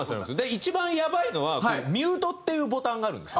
一番やばいのはこのミュートっていうボタンがあるんですよ。